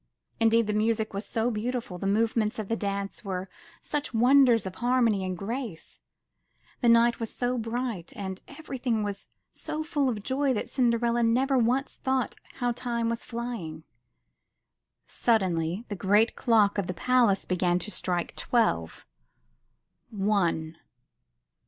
Indeed the music was so beautiful; the movements of the dance were such wonders of harmony and grace; the room was so bright, and everything was so full of joy, that Cinderella never once thought how time was flying. Suddenly the great clock of the palace began to strike twelve. One!